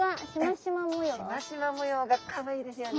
しましま模様がかわいいですよね。